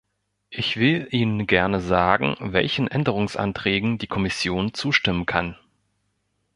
Ich will Ihnen gerne sagen, welchen Änderungsanträgen die Kommission zustimmen kann.